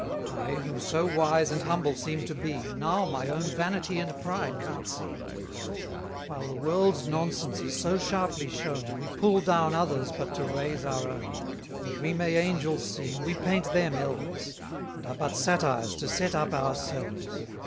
I, who so wise and humble seem to be, Now my own vanity and pride can't see; While the world's nonsense is so sharply shown, 270 We pull down others' but to raise our own; That we may angels seem, we paint them elves, And are but satires to set up ourselves.